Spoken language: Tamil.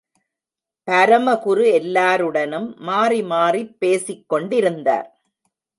பரமகுரு எல்லாருடனும் மாறி மாறிப் பேசிக் கொண்டிருந்தார்.